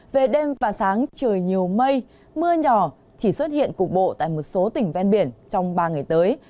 về đêm và sáng trời nhiều mây mưa nhỏ chỉ xuất hiện cục bộ tại một số tỉnh ven biển trong ba ngày tới